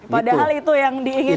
padahal itu yang diinginkan